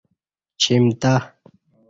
چِیمتہ